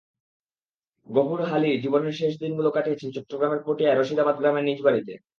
গফুর হালী জীবনের শেষ দিনগুলো কাটিয়েছেন চট্টগ্রামের পটিয়ার রশিদাবাদ গ্রামে নিজ বাড়িতে।